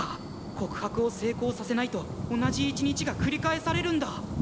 告白を成功させないと同じ一日がくり返されるんだ！